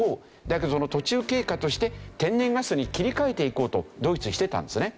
だけどその途中経過として天然ガスに切り替えていこうとドイツはしてたんですね。